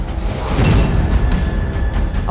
aku harus bisa kembali ke sini lagi